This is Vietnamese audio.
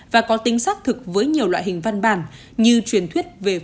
và có tính xác thực với nhiều loại hình văn bản như truyền thuyết về phổ biến